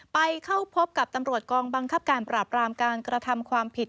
ไปเข้าพบกับตำรวจกองบังคับการปราบรามการกระทำความผิด